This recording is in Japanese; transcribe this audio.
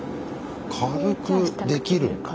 軽くできるんだ。